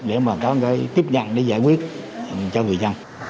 để mà có cái tiếp nhận để giải quyết cho người dân